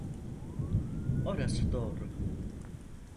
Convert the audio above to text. Orası doğru.